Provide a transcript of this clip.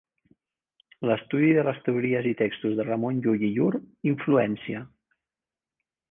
L'estudi de les teories i textos de Ramon Llull i llur influència.